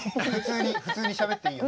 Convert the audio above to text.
普通にしゃべっていいよ。